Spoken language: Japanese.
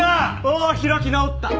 あっ開き直った！